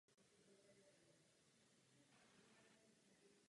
Jsou to vůbec nejdelší postavené švédské ponorky.